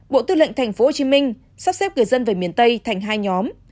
bộ tư lệnh tp hcm sắp xếp người dân về miền tây thành hai nhóm